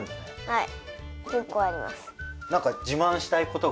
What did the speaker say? はい。